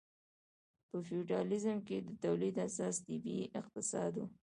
په فیوډالیزم کې د تولید اساس طبیعي اقتصاد و.